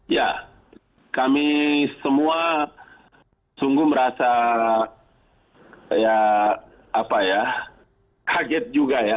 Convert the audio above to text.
ya kami semua sungguh merasa kaget juga ya